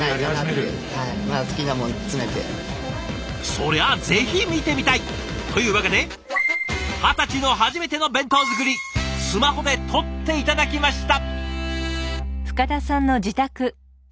そりゃぜひ見てみたい！というわけで二十歳の初めての弁当作りスマホで撮って頂きました！